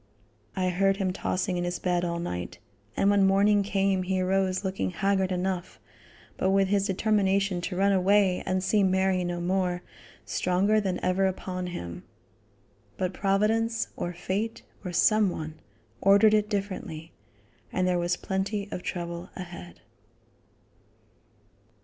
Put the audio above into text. I heard him tossing in his bed all night, and when morning came he arose looking haggard enough, but with his determination to run away and see Mary no more, stronger than ever upon him. But providence, or fate, or some one, ordered it differently, and there was plenty of trouble ahead.